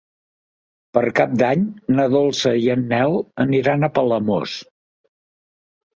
Per Cap d'Any na Dolça i en Nel aniran a Palamós.